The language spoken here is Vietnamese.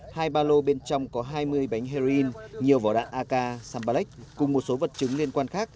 hai ba lô bên trong có hai mươi bánh heroin nhiều vỏ đạn ak sambalek cùng một số vật chứng liên quan khác